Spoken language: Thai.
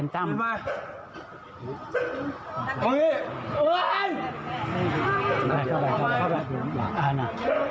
มึงกลับมา